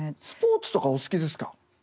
スポーツとかお好きですか？